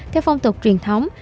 theo phong tục truyền thống